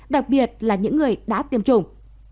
đặc biệt là những người đã tiêm chủng